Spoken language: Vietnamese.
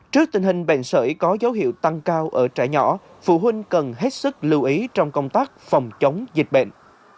trước tình hình bệnh sởi có dấu hiệu tăng cao ở trẻ nhỏ phụ huynh cần hết sức lưu ý trong công tác phòng chống dịch bệnh